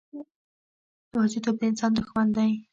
یوازیتوب د انسان دښمن دی.